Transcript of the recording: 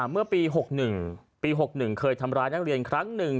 เมื่อปี๖๑ปี๖๑เคยทำร้ายนักเรียนครั้งหนึ่ง